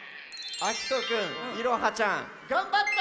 あきとくんいろはちゃんがんばった！